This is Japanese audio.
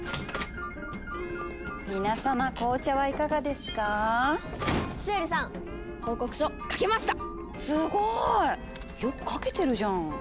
すごい！よく書けてるじゃん。